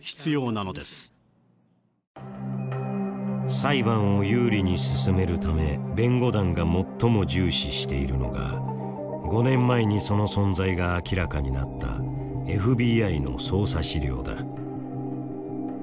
裁判を有利に進めるため弁護団が最も重視しているのが５年前にその存在が明らかになったＦＢＩの捜査資料だ。